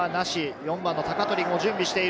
４番の鷹取も準備している。